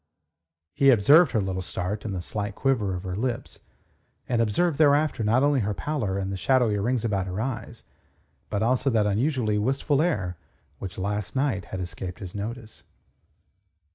He observed her little start and the slight quiver of her lips, and observed thereafter not only her pallor and the shadowy rings about her eyes, but also that unusually wistful air which last night had escaped his notice.